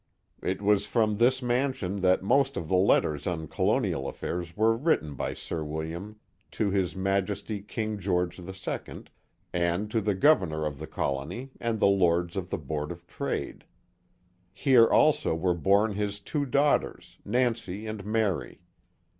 It was from this mansion that most of the letters on col onial affairs were written by Sir William to His Majesty King George II. and to the governor of the colony and the lords of the board of trade. Here also were born his two daughters, Nancy and Mary.